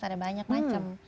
ada banyak macam